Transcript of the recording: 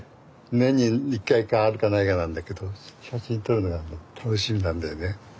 年に１回かあるかないかなんだけど写真撮るのが楽しみなんだよね。